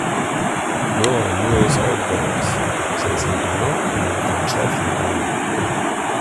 Luego en Newell's Old Boys se desempeñó como defensor central.